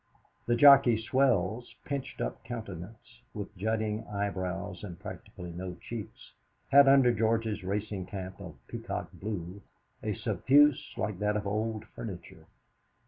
The Jockey Swells' pinched up countenance, with jutting eyebrows and practically no cheeks, had under George's racing cap of "peacock blue" a subfusc hue like that of old furniture.